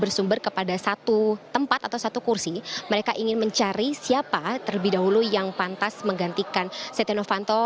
bersumber kepada satu tempat atau satu kursi mereka ingin mencari siapa terlebih dahulu yang pantas menggantikan setia novanto